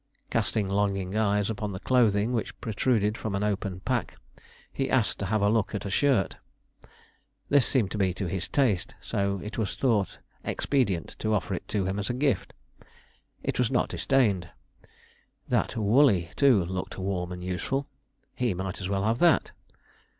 Casting longing eyes upon the clothing which protruded from an open pack, he asked to have a look at a shirt. This seemed to be to his taste, so it was thought expedient to offer it to him as a gift. It was not disdained. That "woolley," too, looked warm and useful. He might as well have that.